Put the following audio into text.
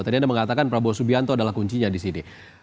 tadi anda mengatakan prabowo subianto adalah kuncinya di sini